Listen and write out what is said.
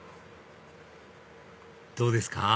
どうですか？